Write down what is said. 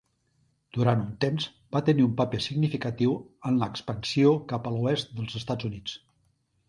Durant un temps, va tenir un paper significatiu en l'expansió cap a l'oest dels Estats Units.